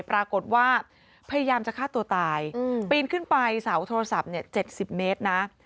ปรากฏว่าพยายามจะฆ่าตัวตายปีนขึ้นไปเสาโทรศัพท์๗๐เมตรนะ